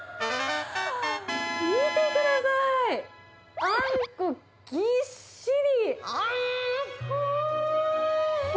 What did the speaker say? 見てください、あんこぎっしり。